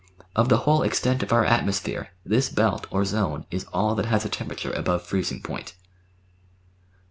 Of the whole extent of our atmosphere this belt or zone is all that has a temperature above freezing point.